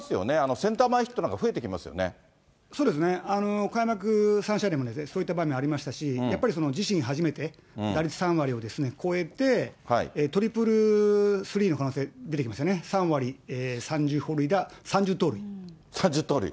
センター前ヒットなんか増えてきそうですね、開幕３試合でもですね、そういった場面ありましたし、やっぱり自身初めて、打率３割を超えて、トリプルスリーの可能性、出てきましたね、３割、３０本塁打、３０盗塁。